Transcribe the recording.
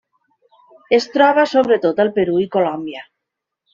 Es troba sobretot al Perú i Colòmbia.